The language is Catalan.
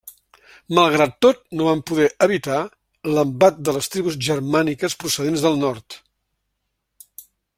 Malgrat tot no van poder evitar l'embat de les tribus germàniques procedents del nord.